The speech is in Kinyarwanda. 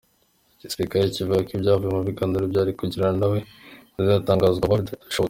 Igisirikare kivuga ko ibyavuye mu biganiro bari kugirana nawe bizatangazwa vuba bishoboka.